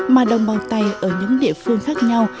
mà đồng bào tày ở những địa phương khác nhau